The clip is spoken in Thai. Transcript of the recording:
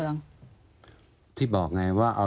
อย่างไรทีบอกไงว่า